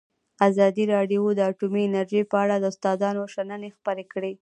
ازادي راډیو د اټومي انرژي په اړه د استادانو شننې خپرې کړي.